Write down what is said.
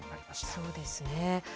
そうですね。